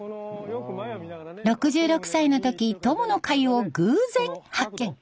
６６歳の時友の会を偶然発見。